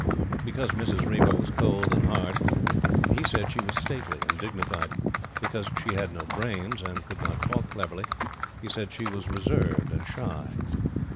Because Mrs. Reiver was cold and hard, he said she was stately and dignified. Because she had no brains, and could not talk cleverly, he said she was reserved and shy.